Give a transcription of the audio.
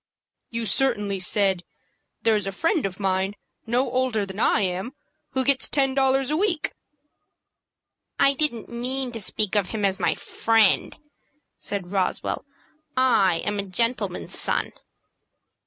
"You certainly said 'There's a friend of mine, no older than I am, who gets ten dollars a week.'" "I didn't mean to speak of him as my friend," said Roswell; "I'm a gentleman's son."